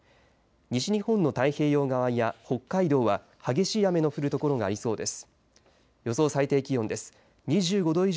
西日本の太平洋側や北海道は激しい雨の降るところがありそうです。